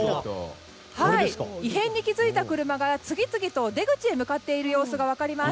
異変に気付いた車が次々と出口に向かっている様子が分かります。